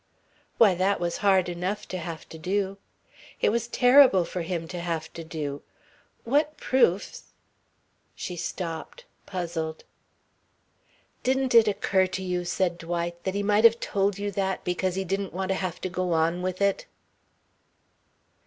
"Why, that was hard enough to have to do. It was terrible for him to have to do. What proofs " She stopped, puzzled. "Didn't it occur to you," said Dwight, "that he might have told you that because he didn't want to have to go on with it?"